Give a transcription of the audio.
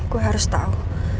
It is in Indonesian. gue harus tau